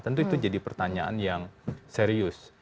tentu itu jadi pertanyaan yang serius